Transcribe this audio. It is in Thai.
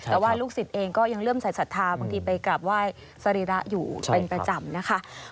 แต่ว่าลูกศิษย์เองก็ยังเริ่มใส่ศรัทธาบางทีไปกลับไหว้สรีระอยู่เป็นประจำนะคะ